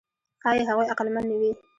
ښایي هغوی عقلمن نه وي.